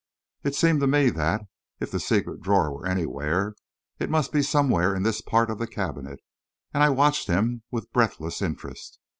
It seemed to me that, if the secret drawer were anywhere, it must be somewhere in this part of the cabinet, and I watched him with breathless interest.